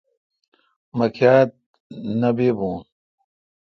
ما کاَتہ نہ بی بون